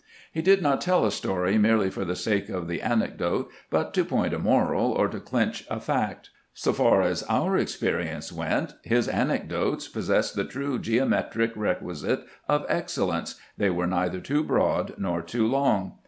He did not tell a story merely for the sake of the anecdote, but to point a moral or to clench a fact. So far as our experience went, his anecdotes possessed the true geometric requi site of excellence : they were neither too broad nor too long.